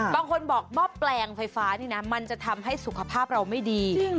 บางคนบอกหม้อแปลงไฟฟ้านี่นะมันจะทำให้สุขภาพเราไม่ดี